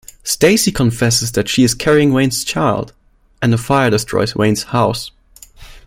Stacy confesses that she is carrying Wayne's child, and a fire destroys Wayne's house.